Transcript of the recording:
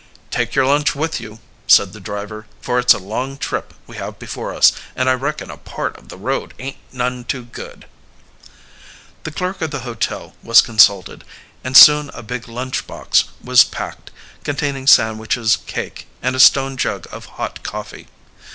"Take your lunch with you," said the driver. "For it's a long trip we have before us, and I reckon a part of the road ain't none too good." The clerk of the hotel was consulted, and soon a big lunch box was packed, containing sandwiches, cake, and a stone jug of hot coffee.